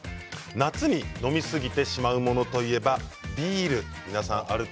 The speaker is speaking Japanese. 夏に飲みすぎてしまうものといえば、ビールですよね。